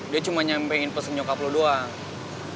dia cuma nyampein pesen nyokap lu doang